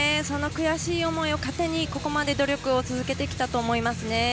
その悔しい思いを糧にここまで努力を続けてきたと思いますね。